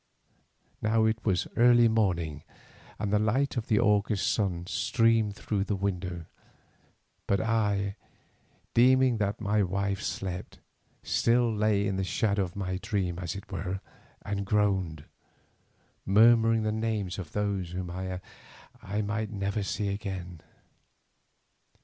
Now it was early morning, and the light of the August sun streamed through the window, but I, deeming that my wife slept, still lay in the shadow of my dream as it were, and groaned, murmuring the names of those whom I might never see again.